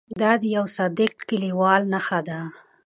دا د یوه صادق لیکوال نښه ده.